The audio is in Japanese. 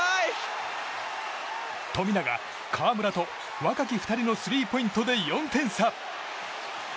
富永、河村と若き２人のスリーポイントで４点差。